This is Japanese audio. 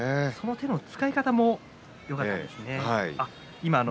手の使い方もよかったんですね。